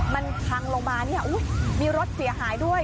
มันพังลงมาเนี่ยมีรถเสียหายด้วย